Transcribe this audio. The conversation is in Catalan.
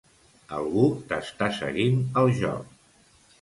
Algú t'està seguint el joc.